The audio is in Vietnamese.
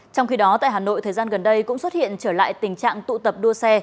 trong khi đó tại hà nội thời gian gần đây cũng xuất hiện trở lại tình trạng tụ tập đua xe